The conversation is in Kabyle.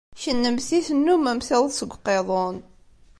Kennemti tennummemt iḍes deg uqiḍun.